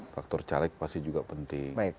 faktor caleg pasti juga penting